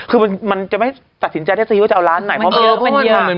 คือมันจะไม่ตัดสินใจด้วยซิว่าจะเอาร้านไหน